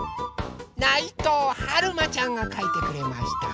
ないとうはるまちゃんがかいてくれました。